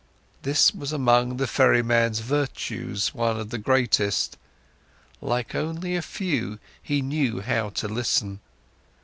This was among the ferryman's virtues one of the greatest: like only a few, he knew how to listen.